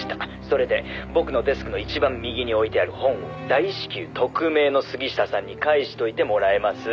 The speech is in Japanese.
「それで僕のデスクの一番右に置いてある本を大至急特命の杉下さんに返しといてもらえます？」